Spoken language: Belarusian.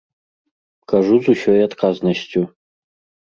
Кажу з усёй адказнасцю!